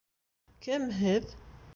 Кем һеҙ?